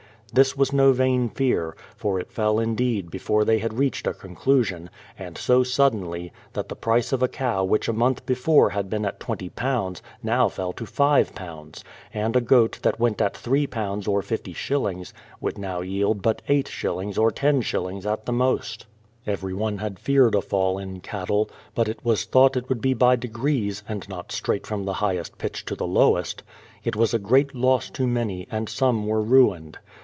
This was no vain fear; for it fell indeed before they had reached a conclusion, and so suddenly, that the price of a S04 BRADFORD'S HISTORY cow which a month before had been at £20, now fell to £5 ; and a goat that went at £3 or fifty shilUngs, would now yield but eight shillings or ten shillings at the most. Everyone had feared a fall in cattle, but it was thought it would be by degrees, and not straight from the highest pitch to the lowest. It was a great loss to many, and some were ruined.